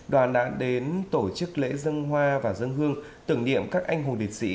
đoàn đã đến tổ chức lễ dân hoa và dân hương tưởng niệm các anh hùng liệt sĩ